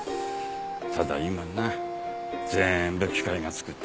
ただ今な全部機械が作ってしまう。